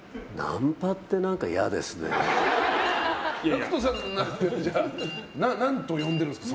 ＧＡＣＫＴさんは何と呼んでるんですか？